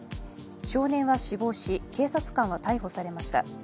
少年は死亡し警察官は逮捕されました。